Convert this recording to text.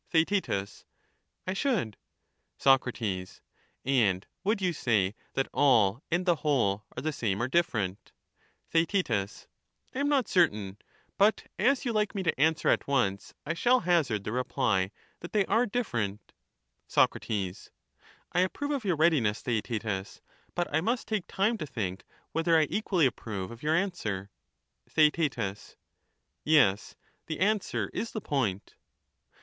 Theaet, I should. Soc, And would you say that all and the whole are the Thisim same, or different ? f^^ ^} T f T .. t.t the whole Theaet, I am not certain ; but, as you like me to answer at diflfers from once, I shall hazard the reply, that they are different. ^®^• Soc, I approve of your readiness, Theaetetus, but I must take time to think whether I equally approve of your answer. Theaet, Yes ; the answer is the point.